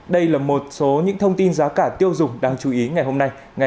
đây là một số những thông tin giá cả tiêu dùng đáng chú ý ngày hôm nay